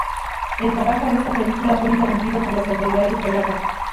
El trabajo en esta película fue interrumpido por las autoridades polacas.